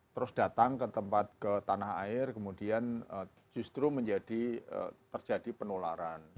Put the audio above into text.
terus datang ke tempat ke tanah air kemudian justru menjadi terjadi penularan